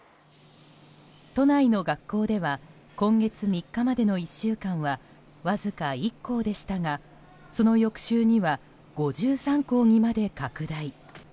都内の学校では今月３日までの１週間はわずか１校でしたがその翌週には５３校にまで拡大。